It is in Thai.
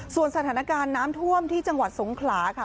ส่วนสถานการณ์น้ำท่วมที่จังหวัดสงขลาค่ะ